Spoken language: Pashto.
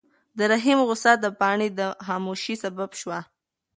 د رحیم غوسه د پاڼې د خاموشۍ سبب شوه.